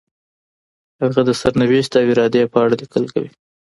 هغه د سرنوشت او ارادې په اړه لیکل کوي.